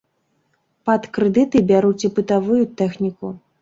Пад крэдыты бяруць і бытавую тэхніку.